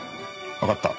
わかった。